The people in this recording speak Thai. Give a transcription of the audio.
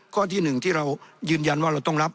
ก็ที่หนึ่งที่เรายืนยันว่าเราต้องรับ